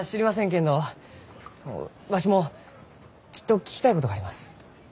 けんどわしもちっと聞きたいことがあります。